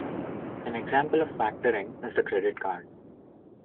An example of factoring is the credit card.